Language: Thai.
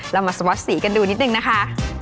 เรามาสวอตสีกันดูนิดนึงนะคะ